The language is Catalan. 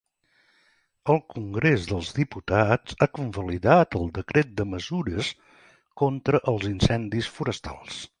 El Congrés dels Diputats ha convalidat el decret de mesures contra els incendis forestals.